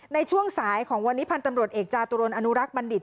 ในช่วงสายของวันนี้พันธ์ตำรวจเอกจาตุรนอนุรักษ์บัณฑิต